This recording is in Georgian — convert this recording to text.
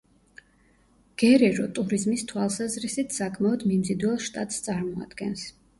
გერერო ტურიზმის თვალსაზრისით საკმაოდ მიმზიდველ შტატს წარმოადგენს.